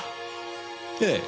ええ。